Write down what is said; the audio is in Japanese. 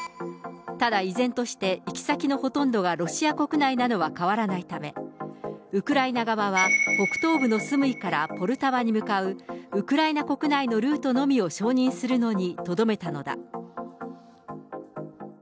ただ、依然として、行き先のほとんどがロシア国内なのは変わらないため、ウクライナ側は、北東部のスムイからポルタワに向かうウクライナ国内のルートのみを承認するのにとどめたのだ。